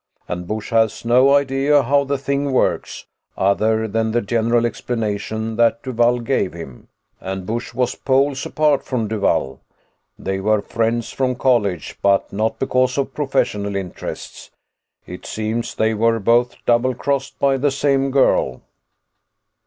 And Busch has no idea how the thing works, other than the general explanation that Duvall gave him. And Busch was poles apart from Duvall. They were friends from college, but not because of professional interests. It seems they were both doublecrossed by the same girl.